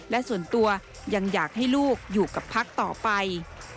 และส่วนตัวยังอยากให้ลูกอยู่กับพักต่อไป